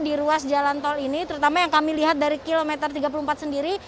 di ruas jalan tol ini terutama yang kami lihat dari kilometer tiga puluh empat sendiri